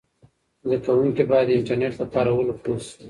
زده کوونکي باید د انټرنیټ په کارولو پوه سي.